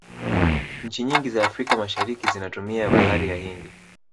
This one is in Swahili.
nchi nyingi za africa mashariki zinatumia bahari ya hindi